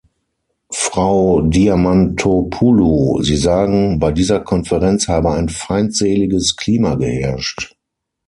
Frau Diamantopoulou, Sie sagen, bei dieser Konferenz habe ein feindseliges Klima geherrscht.